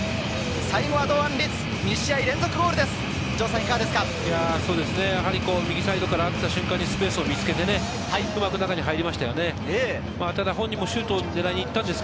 最後は堂安律、２試合連続ゴールです。